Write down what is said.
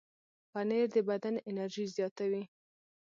پنېر د بدن انرژي زیاتوي.